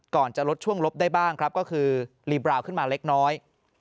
จะลดช่วงลบได้บ้างครับก็คือลีบราวขึ้นมาเล็กน้อย